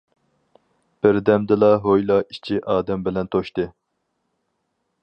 بىردەمدىلا ھويلا ئىچى ئادەم بىلەن توشتى.